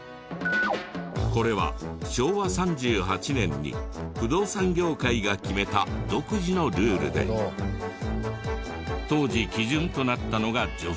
これは昭和３８年に不動産業界が決めた独自のルールで当時基準となったのが女性で。